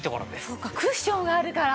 そうかクッションがあるから。